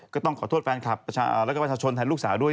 ก็ต้องขอโทษแฟนคลับแล้วก็ประชาชนแทนลูกสาวด้วย